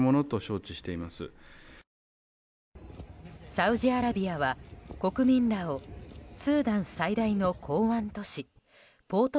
サウジアラビアは国民らをスーダン最大の港湾都市ポート